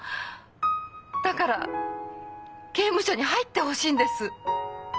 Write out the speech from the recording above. だから刑務所に入ってほしいんです！